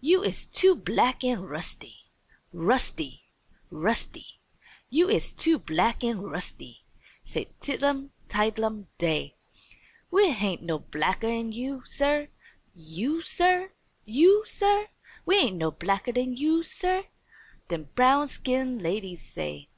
"You is too black an' rusty! Rusty! Rusty! You is too black an' rusty!" said Tidlum Tidelum Day. "We hain't no blacker 'an you, Sir! You, Sir! You, Sir! We hain't no blacker 'an you, Sir!" dem brown skin ladies say.